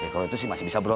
kalau itu sih masih bisa bro